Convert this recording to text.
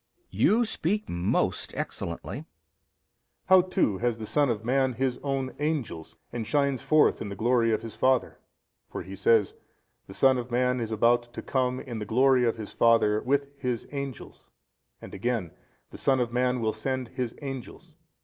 B. You speak most excellently. |281 A. How too has the Son of man His own angels 37, and shines forth in the glory of His Father? for He says, The Son of Man is about to come in the glory of His Father 38 with His angels, and again. And the Son of Man will send His Angels.